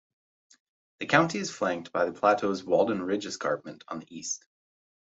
The county is flanked by the Plateau's Walden Ridge escarpment on the east.